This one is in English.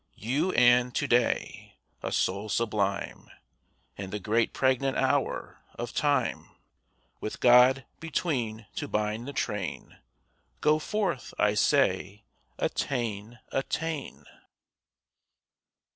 You and to day! a soul sublime And the great pregnant hour of time. With God between to bind the train, Go forth, I say—attain—attain.